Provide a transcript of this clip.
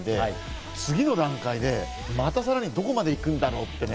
次の段階でまたさらにどこまで行くんだろうって。